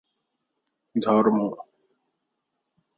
দেহ মোটা ও চাপা।